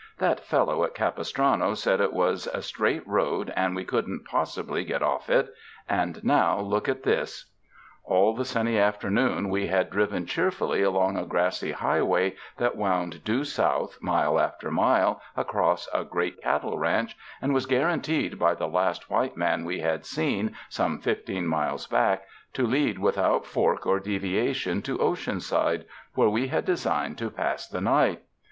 That fel low at Capistrano said it was a straight road and we couldn't possibly get off it, and now look at this!" All the sunny afternoon we had driven cheerfully 117 UNDER THE SKY IN CALIFORNIA along a grassy highway that wound due south mile after mile across a great cattle ranch, and was guar anteed by the last white man we had seen, some fifteen miles back, to lead without fork or deviation to Oceanside, where we had designed to pass the night.